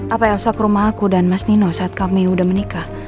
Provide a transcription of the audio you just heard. apa elsa ke rumah aku dan mas nino saat kami udah menikah